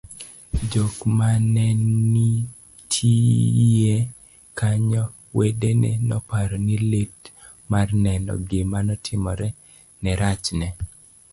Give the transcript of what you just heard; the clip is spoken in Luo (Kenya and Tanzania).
jok manenitiyie kanyo, wedene noparo ni lit mar neno gima notimorene nerachne